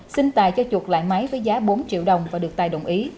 sinh tài cho chuột lại máy với giá bốn triệu đồng và được tài đồng ý